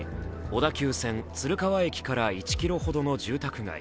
小田急線・鶴川駅から１ｋｍほどの住宅街。